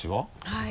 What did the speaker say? はい。